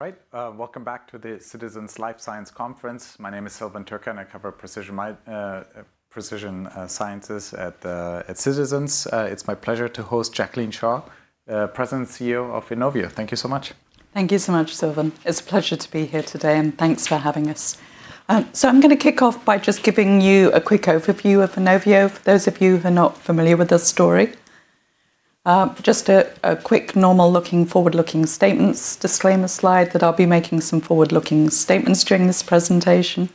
Right. Welcome back to the Citizens Life Sciences Conference. My name is Sylvan Tuchman, and I cover precision sciences at Citizens. It's my pleasure to host Jacqueline Shea, President and CEO of Inovio. Thank you so much. Thank you so much, Sylvan. It's a pleasure to be here today, and thanks for having us. I'm gonna kick off by just giving you a quick overview of Inovio for those of you who are not familiar with the story. Just a quick normal looking forward-looking statements disclaimer slide that I'll be making some forward-looking statements during this presentation.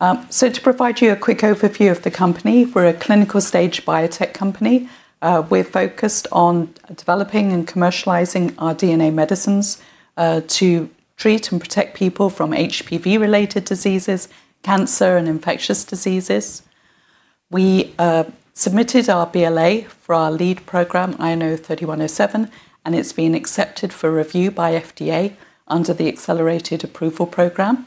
To provide you a quick overview of the company, we're a clinical stage biotech company. We're focused on developing and commercializing our DNA medicines to treat and protect people from HPV-related diseases, cancer, and infectious diseases. We submitted our BLA for our lead program, INO-3107, and it's been accepted for review by FDA under the Accelerated Approval Program.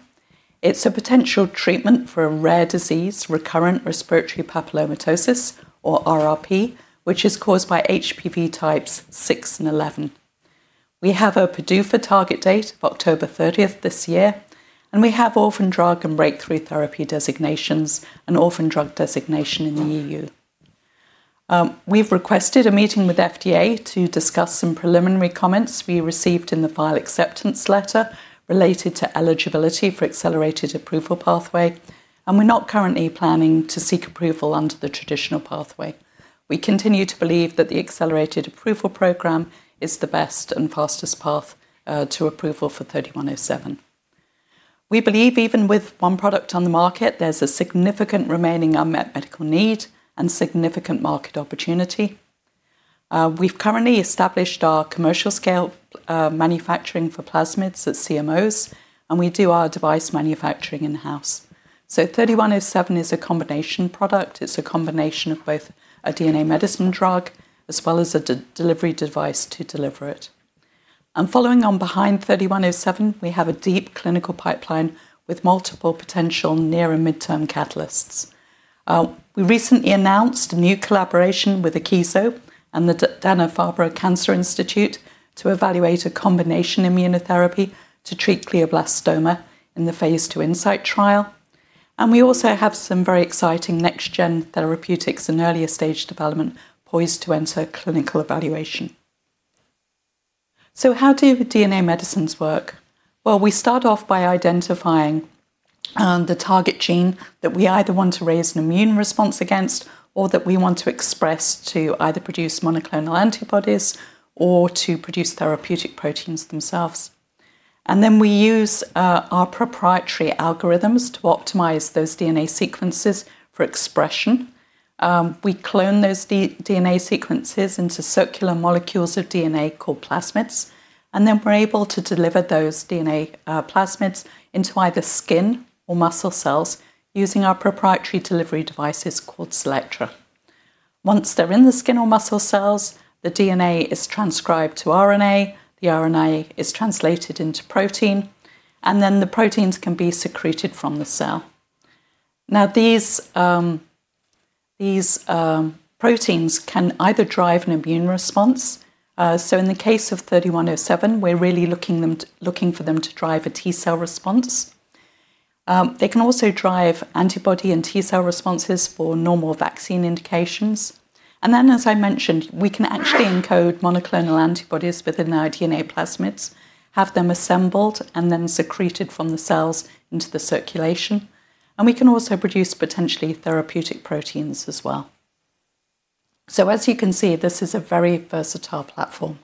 It's a potential treatment for a rare disease, Recurrent Respiratory Papillomatosis, or RRP, which is caused by HPV types 6 and 11. We have a PDUFA target date of October 30th this year, and we have Orphan Drug and Breakthrough Therapy designations, and Orphan Drug designation in the EU. We've requested a meeting with FDA to discuss some preliminary comments we received in the file acceptance letter related to eligibility for Accelerated Approval Program, and we're not currently planning to seek approval under the traditional pathway. We continue to believe that the Accelerated Approval Program is the best and fastest path to approval for INO-3107. We believe even with one product on the market, there's a significant remaining unmet medical need and significant market opportunity. We've currently established our commercial scale manufacturing for plasmids at CMOs, and we do our device manufacturing in-house. INO-3107 is a combination product. It's a combination of both a DNA medicine drug as well as a delivery device to deliver it. Following on behind INO-3107, we have a deep clinical pipeline with multiple potential near and midterm catalysts. We recently announced a new collaboration with Akeso and the Dana-Farber Cancer Institute to evaluate a combination immunotherapy to treat glioblastoma in the Phase 2 INSIGhT trial. We also have some very exciting next gen therapeutics in earlier stage development poised to enter clinical evaluation. How do DNA medicines work? Well, we start off by identifying the target gene that we either want to raise an immune response against or that we want to express to either produce monoclonal antibodies or to produce therapeutic proteins themselves. Then we use our proprietary algorithms to optimize those DNA sequences for expression. We clone those DNA sequences into circular molecules of DNA called plasmids, and then we're able to deliver those DNA plasmids into either skin or muscle cells using our proprietary delivery devices called CELLECTRA. Once they're in the skin or muscle cells, the DNA is transcribed to RNA, the RNA is translated into protein, and then the proteins can be secreted from the cell. These proteins can either drive an immune response. In the case of INO-3107, we're really looking for them to drive a T-cell response. They can also drive antibody and T-cell responses for normal vaccine indications. As I mentioned, we can actually encode monoclonal antibodies within our DNA plasmids, have them assembled and then secreted from the cells into the circulation, and we can also produce potentially therapeutic proteins as well. As you can see, this is a very versatile platform.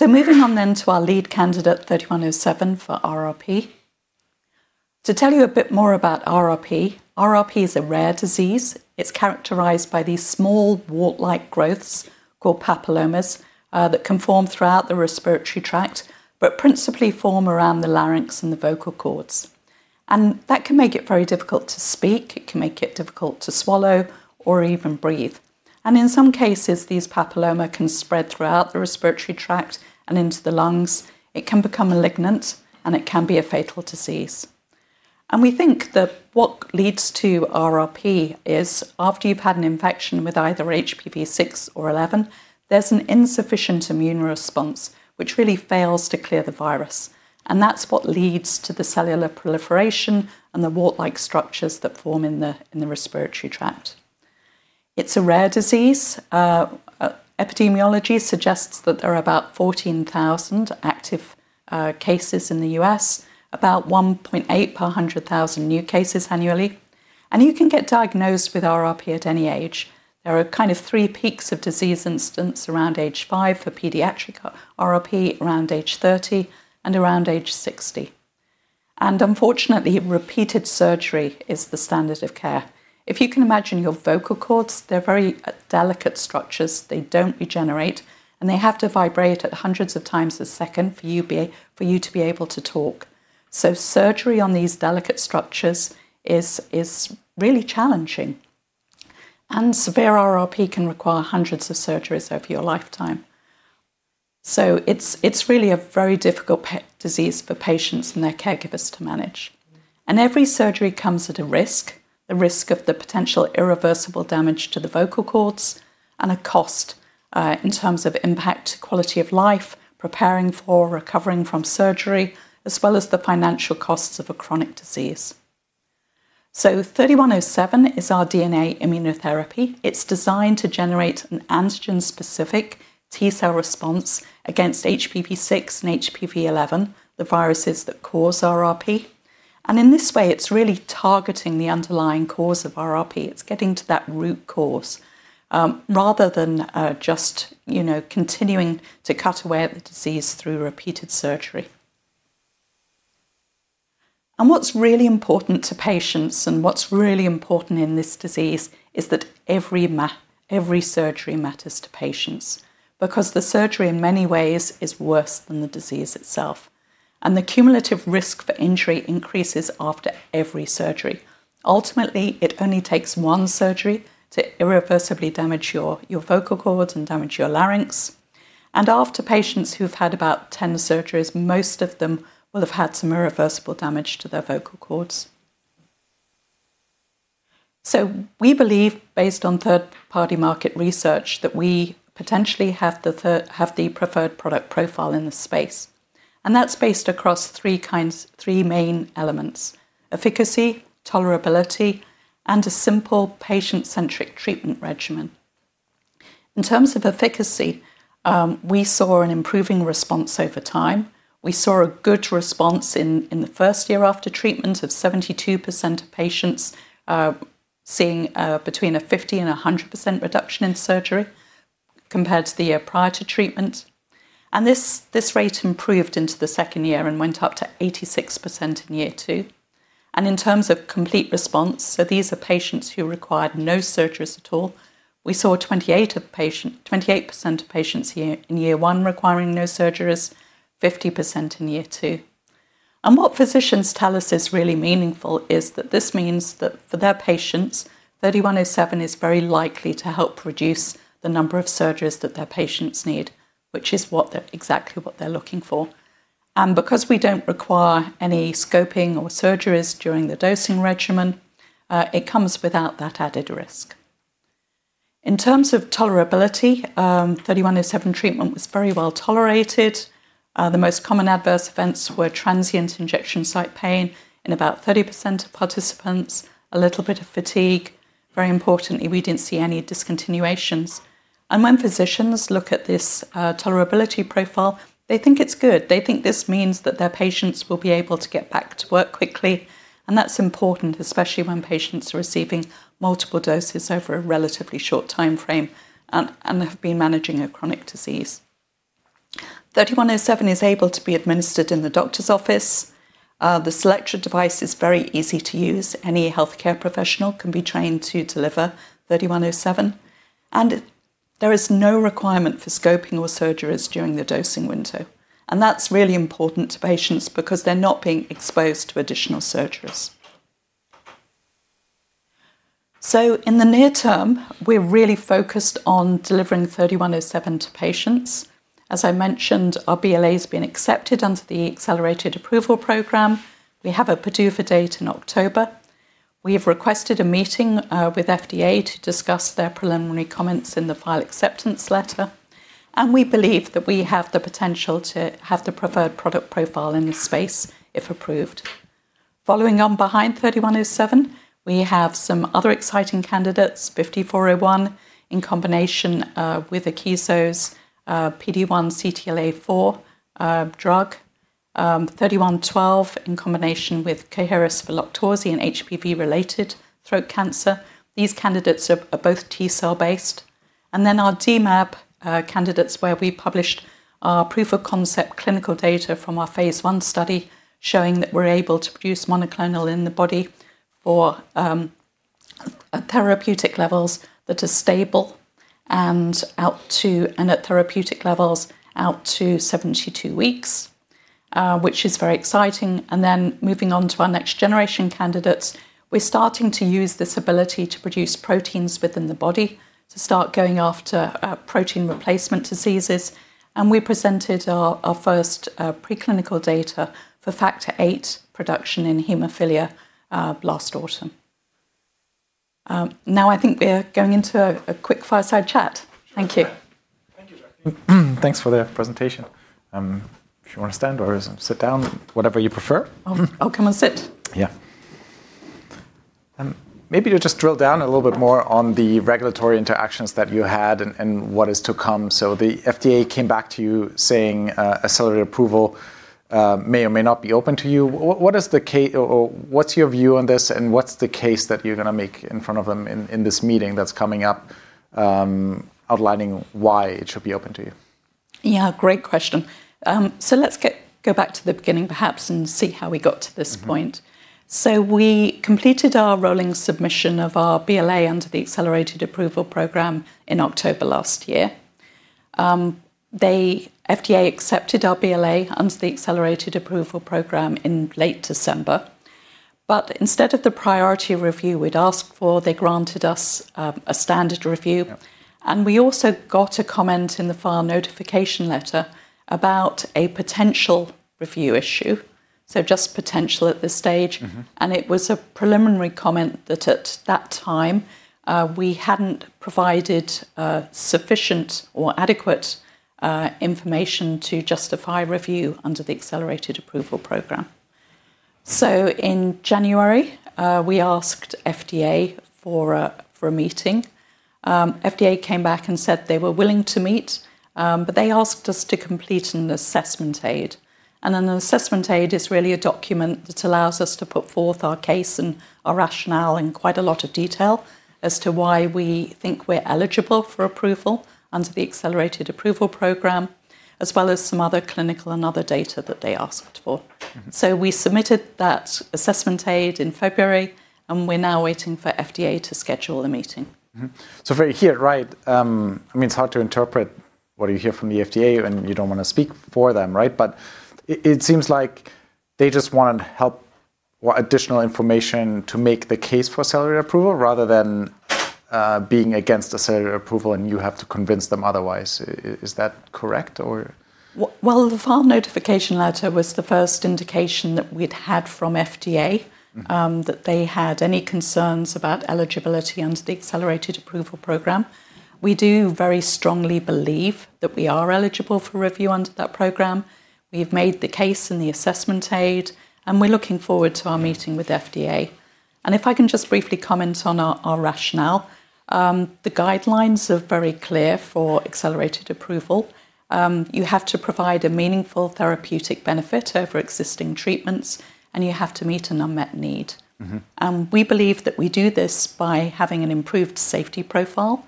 Moving on to our lead candidate, INO-3107 for RRP. To tell you a bit more about RRP is a rare disease. It's characterized by these small wart-like growths called papillomas that can form throughout the respiratory tract, but principally form around the larynx and the vocal cords. That can make it very difficult to speak. It can make it difficult to swallow or even breathe. In some cases, these papilloma can spread throughout the respiratory tract and into the lungs. It can become malignant, and it can be a fatal disease. We think that what leads to RRP is after you've had an infection with either HPV 6 or 11, there's an insufficient immune response which really fails to clear the virus, and that's what leads to the cellular proliferation and the wart-like structures that form in the respiratory tract. It's a rare disease. Epidemiology suggests that there are about 14,000 active cases in the U.S., about 1.8 per 100,000 new cases annually. You can get diagnosed with RRP at any age. There are kind of three peaks of disease instance around age five for pediatric RRP, around age 30, and around age 60. Unfortunately, repeated surgery is the standard of care. If you can imagine your vocal cords, they're very delicate structures. They don't regenerate, and they have to vibrate at hundreds of times a second for you to be able to talk. Surgery on these delicate structures is really challenging. Severe RRP can require hundreds of surgeries over your lifetime. It's really a very difficult disease for patients and their caregivers to manage. Every surgery comes at a risk, the risk of the potential irreversible damage to the vocal cords and a cost, in terms of impact to quality of life, preparing for, recovering from surgery, as well as the financial costs of a chronic disease. INO-3107 is our DNA immunotherapy. It's designed to generate an antigen-specific T-cell response against HPV 6 and HPV 11, the viruses that cause RRP. In this way, it's really targeting the underlying cause of RRP. It's getting to that root cause, rather than just you know continuing to cut away at the disease through repeated surgery. What's really important to patients and what's really important in this disease is that every surgery matters to patients because the surgery in many ways is worse than the disease itself, and the cumulative risk for injury increases after every surgery. Ultimately, it only takes one surgery to irreversibly damage your vocal cords and damage your larynx. After patients who've had about 10 surgeries, most of them will have had some irreversible damage to their vocal cords. We believe based on third-party market research that we potentially have the preferred product profile in this space, and that's based across three kinds three main elements, efficacy, tolerability, and a simple patient-centric treatment regimen. In terms of efficacy, we saw an improving response over time. We saw a good response in the first year after treatment of 72% of patients seeing between a 50%-100% reduction in surgery compared to the year prior to treatment. This rate improved into the second year and went up to 86% in year two. In terms of complete response, so these are patients who required no surgeries at all, we saw 28% of patients in year one requiring no surgeries, 50% in year two. What physicians tell us is really meaningful is that this means that for their patients, INO-3107 is very likely to help reduce the number of surgeries that their patients need, which is exactly what they're looking for. Because we don't require any scoping or surgeries during the dosing regimen, it comes without that added risk. In terms of tolerability, INO-3107 treatment was very well tolerated. The most common adverse events were transient injection site pain in about 30% of participants, a little bit of fatigue. Very importantly, we didn't see any discontinuations. When physicians look at this tolerability profile, they think it's good. They think this means that their patients will be able to get back to work quickly, and that's important, especially when patients are receiving multiple doses over a relatively short timeframe and have been managing a chronic disease. INO-3107 is able to be administered in the doctor's office. The CELLECTRA device is very easy to use. Any healthcare professional can be trained to deliver INO-3107, and there is no requirement for scoping or surgeries during the dosing window. That's really important to patients because they're not being exposed to additional surgeries. In the near term, we're really focused on delivering INO-3107 to patients. As I mentioned, our BLA has been accepted under the Accelerated Approval Program. We have a PDUFA date in October. We have requested a meeting with FDA to discuss their preliminary comments in the file acceptance letter, and we believe that we have the potential to have the preferred product profile in this space if approved. Following on behind INO-3107, we have some other exciting candidates, INO-5401 in combination with Akeso's PD-1/CTLA-4 drug, INO-3112 in combination with Keytruda LOQTORZI and HPV-related throat cancer. These candidates are both T-cell based. Our dMAb candidates, where we published our proof of concept clinical data from our Phase 1 study showing that we're able to produce monoclonal antibodies in the body at therapeutic levels that are stable and at therapeutic levels out to 72 weeks, which is very exciting. Moving on to our next generation candidates, we're starting to use this ability to produce proteins within the body to start going after protein replacement diseases. We presented our first preclinical data for factor VIII production in hemophilia last autumn. Now I think we're going into a quick fireside chat. Thank you. Thank you, Jackie. Thanks for the presentation. If you wanna stand or sit down, whatever you prefer. Oh. I'll come and sit. Yeah. Maybe to just drill down a little bit more on the regulatory interactions that you had and what is to come. The FDA came back to you saying, accelerated approval, may or may not be open to you. What is the case or what's your view on this, and what's the case that you're gonna make in front of them in this meeting that's coming up, outlining why it should be open to you? Yeah, great question. Go back to the beginning perhaps and see how we got to this point. Mm-hmm. We completed our rolling submission of our BLA under the Accelerated Approval Program in October last year. FDA accepted our BLA under the Accelerated Approval Program in late December. Instead of the priority review we'd asked for, they granted us a standard review. Yep. We also got a comment in the file notification letter about a potential review issue, so just potential at this stage. Mm-hmm. It was a preliminary comment that at that time, we hadn't provided sufficient or adequate information to justify review under the Accelerated Approval Program. In January, we asked FDA for a meeting. FDA came back and said they were willing to meet, but they asked us to complete an Assessment Aid. An Assessment Aid is really a document that allows us to put forth our case and our rationale in quite a lot of detail as to why we think we're eligible for approval under the Accelerated Approval Program, as well as some other clinical and other data that they asked for. Mm-hmm. We submitted that meeting request in February, and we're now waiting for FDA to schedule a meeting. Mm-hmm. If I hear it right, I mean, it's hard to interpret what you hear from the FDA when you don't wanna speak for them, right? It seems like they just want help or additional information to make the case for accelerated approval rather than being against accelerated approval, and you have to convince them otherwise. Is that correct or? Well, the file notification letter was the first indication that we'd had from FDA. Mm-hmm that they had any concerns about eligibility under the Accelerated Approval Program. We do very strongly believe that we are eligible for review under that program. We've made the case in the assessment aid, and we're looking forward to our meeting with FDA. If I can just briefly comment on our rationale, the guidelines are very clear for Accelerated Approval. You have to provide a meaningful therapeutic benefit over existing treatments, and you have to meet an unmet need. Mm-hmm. We believe that we do this by having an improved safety profile.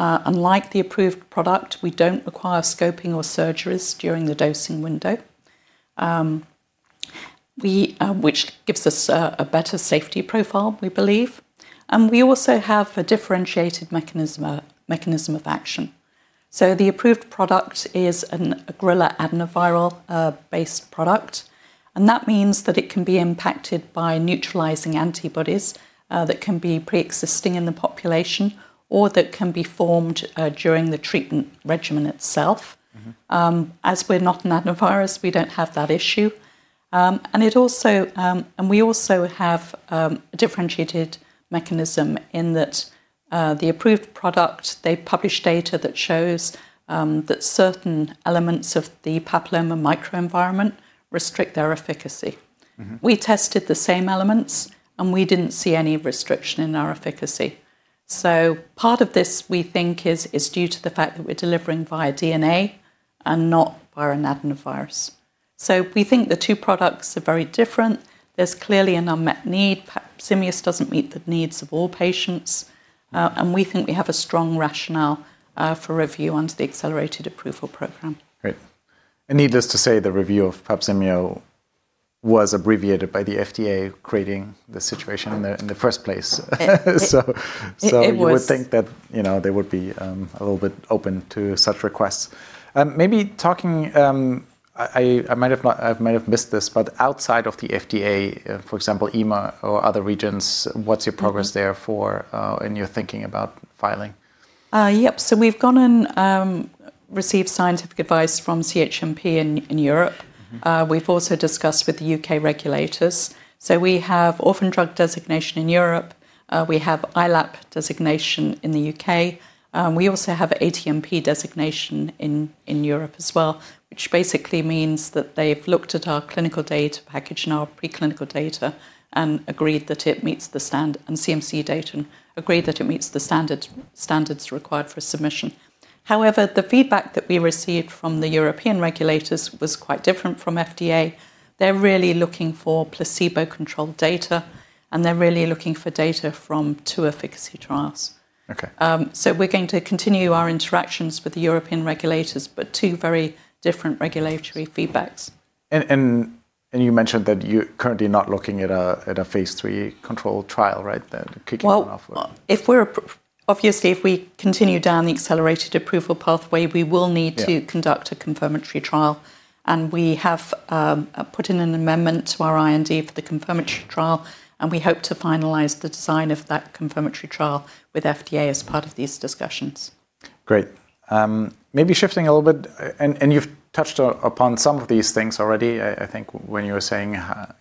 Unlike the approved product, we don't require scoping or surgeries during the dosing window, which gives us a better safety profile, we believe. We also have a differentiated mechanism of action. The approved product is an Ad5-based adenoviral-based product, and that means that it can be impacted by neutralizing antibodies that can be preexisting in the population or that can be formed during the treatment regimen itself. Mm-hmm. As we're not an adenovirus, we don't have that issue. We also have a differentiated mechanism in that the approved product, they published data that shows that certain elements of the papilloma microenvironment restrict their efficacy. Mm-hmm. We tested the same elements, and we didn't see any restriction in our efficacy. Part of this, we think, is due to the fact that we're delivering via DNA and not via an adenovirus. We think the two products are very different. There's clearly an unmet need. VGX-3100 doesn't meet the needs of all patients, and we think we have a strong rationale for review under the Accelerated Approval Program. Great. Needless to say, the review of VGX-3100 was abbreviated by the FDA creating the situation in the first place. It was. You would think that, you know, they would be a little bit open to such requests. I might have missed this, but outside of the FDA, for example, EMA or other regions, what's your progress there for in your thinking about filing? We've gone and received scientific advice from CHMP in Europe. Mm-hmm. We've also discussed with the U.K. regulators. We have orphan drug designation in Europe. We have ILAP designation in the U.K. We also have ATMP designation in Europe as well, which basically means that they've looked at our clinical data package and our preclinical data and CMC data and agreed that it meets the standards required for submission. However, the feedback that we received from the European regulators was quite different from FDA. They're really looking for placebo-controlled data, and they're really looking for data from two efficacy trials. Okay. We're going to continue our interactions with the European regulators, but two very different regulatory feedbacks. You mentioned that you're currently not looking at a Phase 3 controlled trial, right, that kicking it off with- Well, obviously, if we continue down the accelerated approval pathway, we will need to. Yeah conduct a confirmatory trial, and we have put in an amendment to our IND for the confirmatory trial, and we hope to finalize the design of that confirmatory trial with FDA as part of these discussions. Great. Maybe shifting a little bit, and you've touched upon some of these things already, I think when you were saying,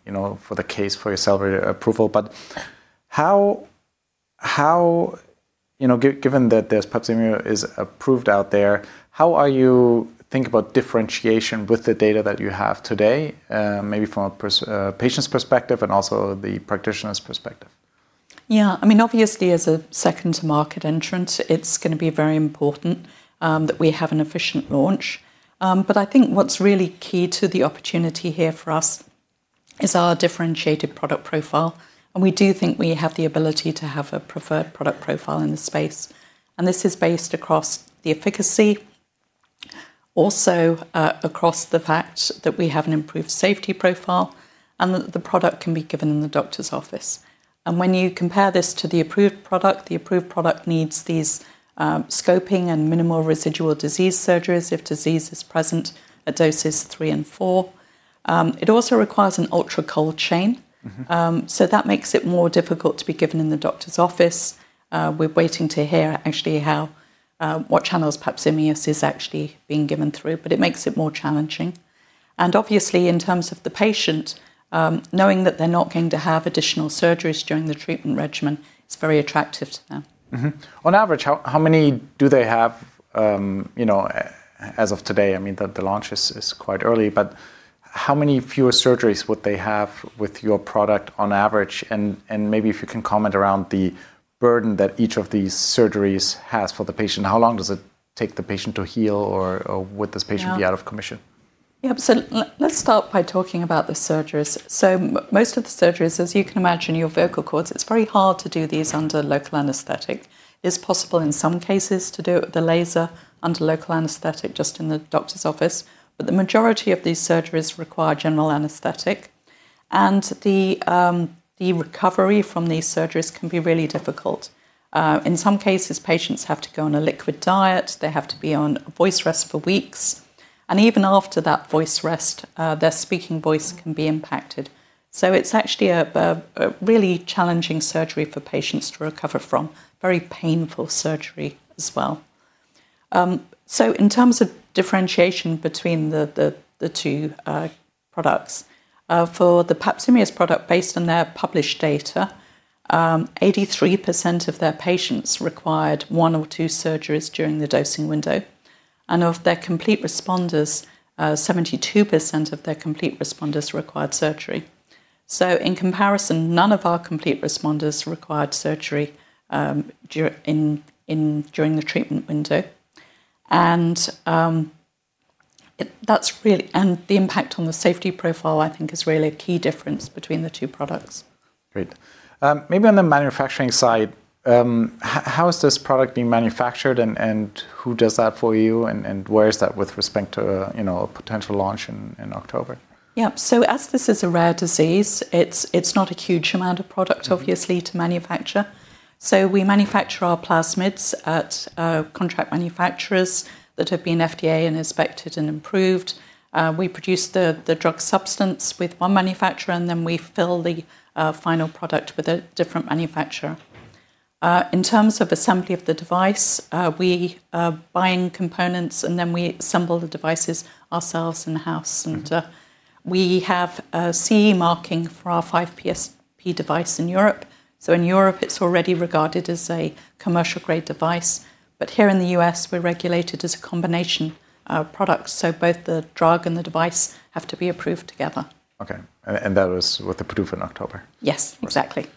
you know, for the case for your accelerated approval. How, you know, given that this VGX-3100 is approved out there, how are you thinking about differentiation with the data that you have today, maybe from a patient's perspective and also the practitioner's perspective? Yeah. I mean, obviously, as a second-to-market entrant, it's gonna be very important that we have an efficient launch. But I think what's really key to the opportunity here for us is our differentiated product profile, and we do think we have the ability to have a preferred product profile in this space, and this is based across the efficacy, also, across the fact that we have an improved safety profile and that the product can be given in the doctor's office. When you compare this to the approved product, the approved product needs these scoping and minimal residual disease surgeries if disease is present at doses 3 and 4. It also requires an ultra cold chain. Mm-hmm. That makes it more difficult to be given in the doctor's office. We're waiting to hear actually how what channels VGX-3100 is actually being given through, but it makes it more challenging. Obviously, in terms of the patient, knowing that they're not going to have additional surgeries during the treatment regimen, it's very attractive to them. Mm-hmm. On average, how many do they have as of today? I mean, the launch is quite early, but how many fewer surgeries would they have with your product on average? And maybe if you can comment around the burden that each of these surgeries has for the patient. How long does it take the patient to heal or would this patient. Yeah be out of commission? Yeah. Let's start by talking about the surgeries. Most of the surgeries, as you can imagine, your vocal cords, it's very hard to do these under local anesthetic. It's possible in some cases to do the laser under local anesthetic just in the doctor's office, but the majority of these surgeries require general anesthetic, and the recovery from these surgeries can be really difficult. In some cases, patients have to go on a liquid diet. They have to be on voice rest for weeks. Even after that voice rest, their speaking voice can be impacted. It's actually a really challenging surgery for patients to recover from, very painful surgery as well. In terms of differentiation between the two products for the VGX-3100 product, based on their published data, 83% of their patients required one or two surgeries during the dosing window. Of their complete responders, 72% required surgery. In comparison, none of our complete responders required surgery during the treatment window. The impact on the safety profile, I think, is really a key difference between the two products. Great. Maybe on the manufacturing side, how is this product being manufactured and who does that for you and where is that with respect to, you know, a potential launch in October? Yeah. As this is a rare disease, it's not a huge amount of product. Mm-hmm Obviously to manufacture. We manufacture our plasmids at contract manufacturers that have been FDA inspected and approved. We produce the drug substance with one manufacturer, and then we fill the final product with a different manufacturer. In terms of assembly of the device, we are buying components, and then we assemble the devices ourselves in-house. Mm-hmm. We have a CE marking for our 5PSP device in Europe. In Europe, it's already regarded as a commercial-grade device. Here in the U.S., we're regulated as a combination product, so both the drug and the device have to be approved together. Okay. That was with the PDUFA in October? Yes, exactly.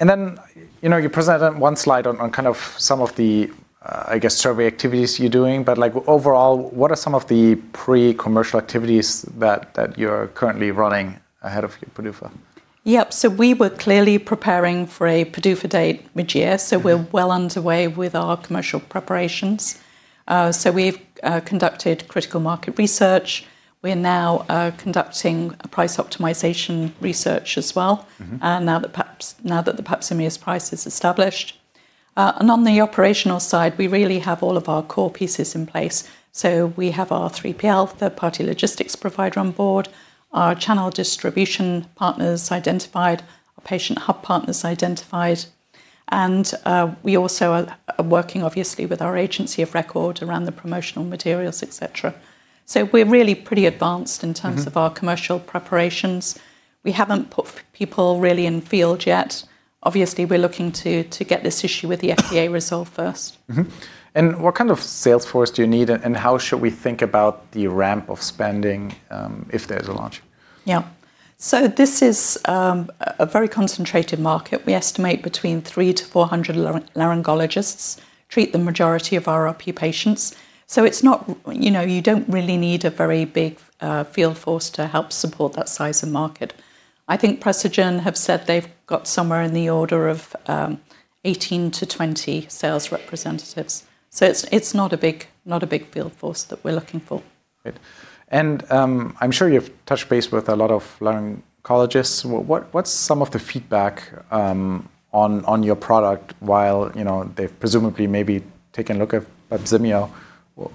You know, you presented one slide on kind of some of the, I guess, survey activities you're doing. Like overall, what are some of the pre-commercial activities that you're currently running ahead of PDUFA? Yep. We were clearly preparing for a PDUFA date mid-year. Mm-hmm. We're well underway with our commercial preparations. We've conducted critical market research. We're now conducting a price optimization research as well. Mm-hmm Now that the VGX-3100 price is established. On the operational side, we really have all of our core pieces in place. We have our 3PL, third party logistics provider on board, our channel distribution partners identified, our patient hub partners identified, and we also are working obviously with our agency of record around the promotional materials, et cetera. We're really pretty advanced in terms. Mm-hmm of our commercial preparations. We haven't put people really in field yet. Obviously, we're looking to get this issue with the FDA resolved first. Mm-hmm. What kind of sales force do you need and how should we think about the ramp of spending, if there's a launch? Yeah. This is a very concentrated market. We estimate between 300-400 laryngologists treat the majority of RRP patients. It's not. You know, you don't really need a very big field force to help support that size of market. I think Precigen have said they've got somewhere in the order of 18-20 sales representatives. It's not a big field force that we're looking for. Great. I'm sure you've touched base with a lot of laryngologists. What's some of the feedback on your product while, you know, they've presumably maybe taken a look at LOQTORZI?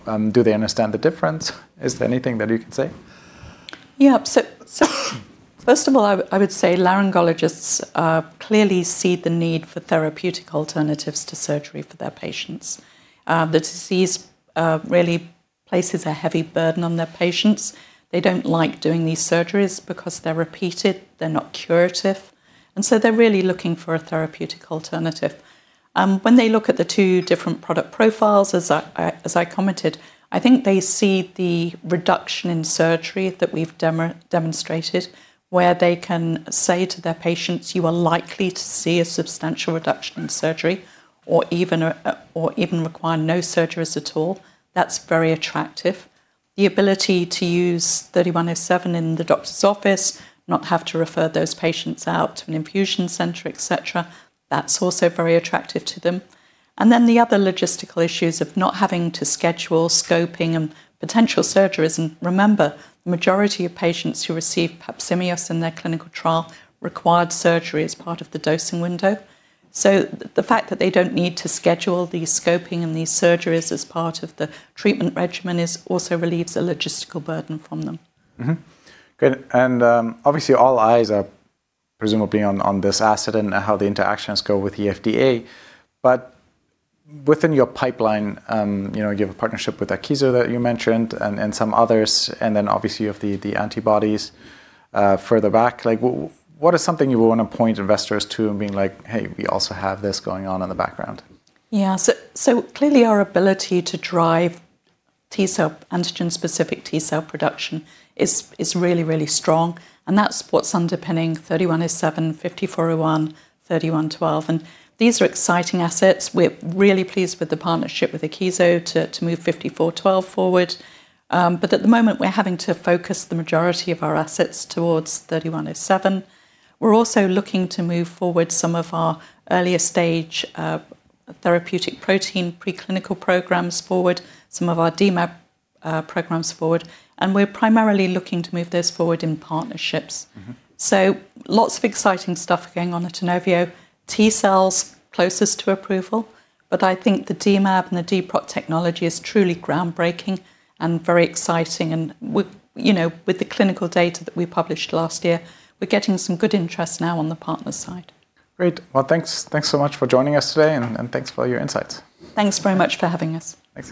Do they understand the difference? Is there anything that you can say? First of all, I would say laryngologists clearly see the need for therapeutic alternatives to surgery for their patients. The disease really places a heavy burden on their patients. They don't like doing these surgeries because they're repeated, they're not curative, and so they're really looking for a therapeutic alternative. When they look at the two different product profiles, as I commented, I think they see the reduction in surgery that we've demonstrated, where they can say to their patients, "You are likely to see a substantial reduction in surgery or even require no surgeries at all." That's very attractive. The ability to use INO-3107 in the doctor's office, not have to refer those patients out to an infusion center, et cetera, that's also very attractive to them. Then the other logistical issues of not having to schedule scoping and potential surgeries. Remember, the majority of patients who receive VGX-3100 in their clinical trial required surgery as part of the dosing window. The fact that they don't need to schedule the scoping and these surgeries as part of the treatment regimen it also relieves a logistical burden from them. Good. Obviously all eyes are presumably on this asset and how the interactions go with the FDA. Within your pipeline, you know, you have a partnership with Akeso that you mentioned and some others, and then obviously you have the antibodies further back. Like what is something you want to point investors to and being like, "Hey, we also have this going on in the background"? Yeah. Clearly our ability to drive T-cell, antigen-specific T-cell production is really strong, and that's what's underpinning INO-3107, INO-5401, INO-3112. These are exciting assets. We're really pleased with the partnership with Akeso to move INO-5401 forward. But at the moment, we're having to focus the majority of our assets towards INO-3107. We're also looking to move forward some of our earlier stage therapeutic protein preclinical programs forward, some of our dMAb programs forward, and we're primarily looking to move this forward in partnerships. Mm-hmm. Lots of exciting stuff going on at Inovio. T-cells closest to approval, but I think the dMAb and the dProt technology is truly groundbreaking and very exciting. With, you know, with the clinical data that we published last year, we're getting some good interest now on the partner side. Great. Well, thanks. Thanks so much for joining us today, and thanks for all your insights. Thanks very much for having us. Thanks.